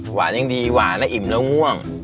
ยังดีหวานและอิ่มแล้วง่วง